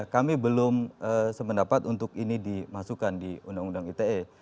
kami belum sependapat untuk ini dimasukkan di undang undang ite